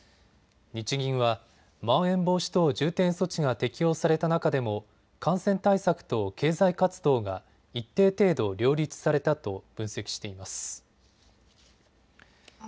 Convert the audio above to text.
日銀はまん延防止等重点措置が適用された中でも感染対策と経済活動が一定程度両立されたと分析しています。